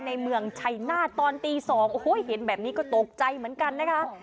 ในเมืองชัยนาธตอนตี๒โอ้โหเห็นแบบนี้ก็ตกใจเหมือนกันนะคะ